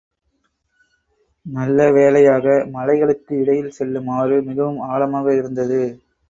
நல்ல வேளையாக மலைகளுக்கு இடையில் செல்லும் ஆறு மிகவும் ஆழமாக இருந்தது.